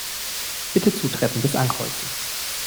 Bitte Zutreffendes Ankreuzen.